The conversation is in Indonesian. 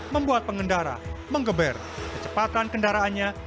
membuat pengendara mengeber kecepatan kendaraannya